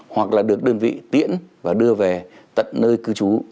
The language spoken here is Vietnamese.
hoặc là được đơn vị tiễn và đưa về tận nơi cư trú